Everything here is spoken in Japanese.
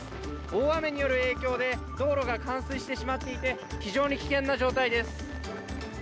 大雨による影響で道路が冠水してしまっていて非常に危険な状態です。